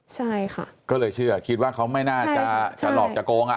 ใช่ค่ะก็เลยเชื่อคิดว่าเขาไม่น่าจะจะหลอกจะโกงอ่ะ